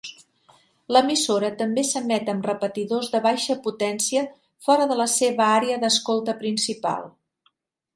L'emissora també s'emet amb repetidors de baixa potència fora de la seva àrea d'escolta principal.